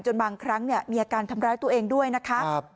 บางครั้งมีอาการทำร้ายตัวเองด้วยนะคะ